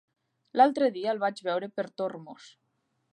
L'altre dia el vaig veure per Tormos.